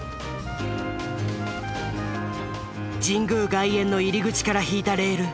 神宮外苑の入り口から引いたレール。